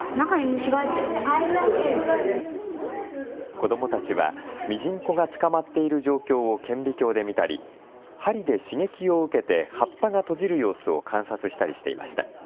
子どもたちはミジンコが捕まっている状況を顕微鏡で見たり針で刺激を受けて葉っぱが閉じる様子を観察したりしていました。